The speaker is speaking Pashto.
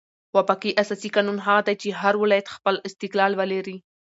وفاقي اساسي قانون هغه دئ، چي هر ولایت خپل استقلال ولري.